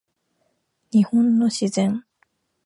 日本の自然